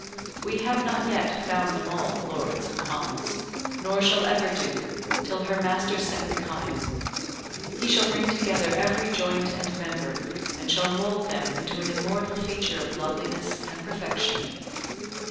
We have not yet found them all, Lords and Commons, nor ever shall do, till her Master's second coming; he shall bring together every joint and member, and shall mould them into an immortal feature of loveliness and perfection.